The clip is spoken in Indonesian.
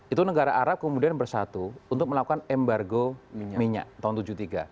itu negara arab kemudian bersatu untuk melakukan embargo minyak tahun seribu sembilan ratus tujuh puluh tiga